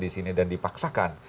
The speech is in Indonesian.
di sini dan dipaksakan